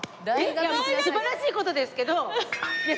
素晴らしい事ですけど。